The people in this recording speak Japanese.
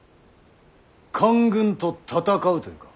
官軍と戦うと言うか。